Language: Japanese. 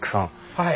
はい。